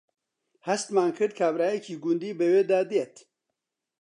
هەستمان کرد کابرایەکی گوندی بەوێدا دێت